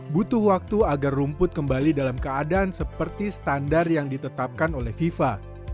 butuh waktu agar rumput kembali dalam keadaan seperti standar yang ditetapkan oleh fifa